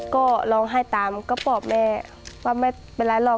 ก็ร้องไห้ตามก็ปอบแม่ว่าไม่เป็นไรหรอก